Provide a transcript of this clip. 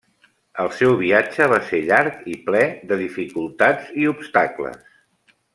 El seu viatge va ser llarg i ple de dificultats i obstacles.